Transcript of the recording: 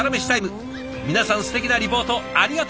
皆さんすてきなリポートありがとうございました。